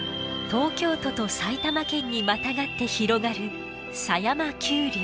東京都と埼玉県にまたがって広がる狭山丘陵。